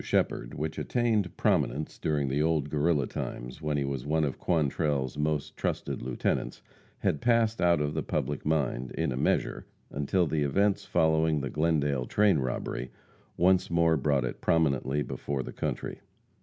Shepherd, which attained prominence during the old Guerrilla times, when he was one of Quantrell's most trusted lieutenants, had passed out of the public mind, in a measure, until the events following the Glendale train robbery once more brought it prominently before the country.